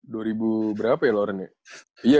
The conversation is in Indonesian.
loren tuh dua belas ya berarti ya